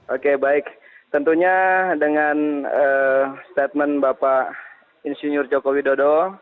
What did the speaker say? oke baik tentunya dengan statement bapak insinyur joko widodo